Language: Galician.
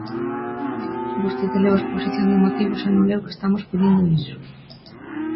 Vostede leu a exposición de motivos e non leu que estamos pedindo iso.